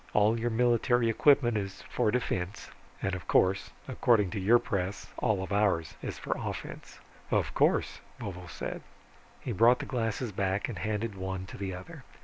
All your military equipment is for defense. And, of course, according to your press, all ours is for offense." "Of course," Vovo said. He brought the glasses back and handed one to the other.